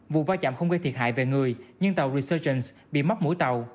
vụ va chạm không gây thiệt hại về người nhưng tàu resurgence bị móc mũi tàu